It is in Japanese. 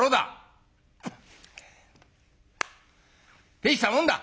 「大したもんだ！」。